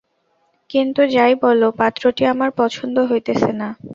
কিন্তু যাই বল পাত্রটি আমার পছন্দ হইতেছে না।